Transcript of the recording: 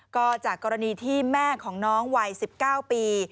ก็จากกรณีที่แม่ของน้องวัย๑๙ปี